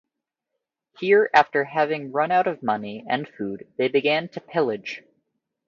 Here, after having run out of money and food, they began to pillage.